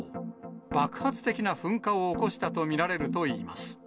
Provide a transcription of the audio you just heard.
爆発的な噴火を起こしたと見られるといいます。